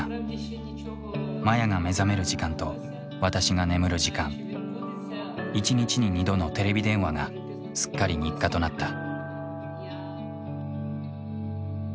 マヤが目覚める時間と私が眠る時間一日に２度のテレビ電話がすっかり日課となった。